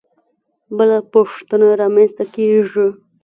بله پوښتنه رامنځته کېږي.